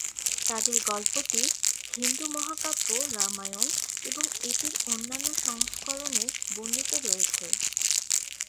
তাদের গল্পটি হিন্দু মহাকাব্য, রামায়ণ এবং এটির অন্যান্য সংস্করণে বর্ণিত রয়েছে।